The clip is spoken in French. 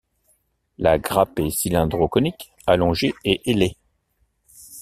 La grappe est cylindro-conique, allongée et aillée.